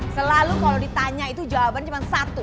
selalu kalau ditanya itu jawaban cuma satu